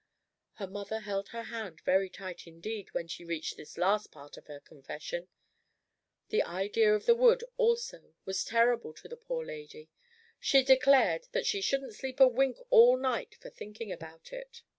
Her mother held her hand very tight indeed when she reached this last part of the confession. The idea of the wood, also, was terrible to the poor lady. She declared that she shouldn't sleep a wink all night for thinking about it.